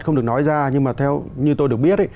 không được nói ra nhưng mà theo như tôi được biết